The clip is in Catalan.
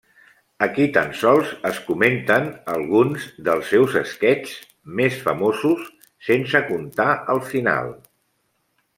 Aquí tan sols es comenten alguns dels seus sketchs més famosos, sense contar el final.